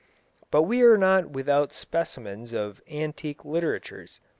But we are not without specimens of antique literatures.